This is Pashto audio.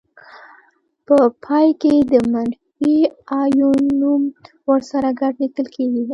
په پای کې د منفي آیون نوم ورسره ګډ لیکل کیږي.